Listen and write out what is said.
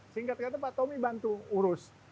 singkat kata pak tommy bantu urus